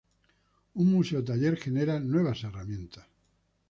Un museo taller genera nuevas herramientas.